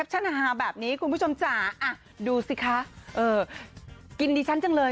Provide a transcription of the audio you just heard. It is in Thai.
แหลกผู้ชัง